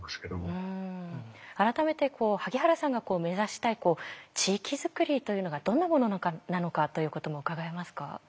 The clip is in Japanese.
改めて萩原さんが目指したい地域づくりというのがどんなものなのかということも伺えますか？